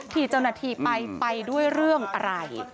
ที่เจ้าหน้าที่ไปไปด้วยเรื่องอะไร